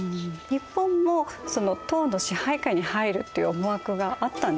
日本も唐の支配下に入るっていう思惑があったんですか？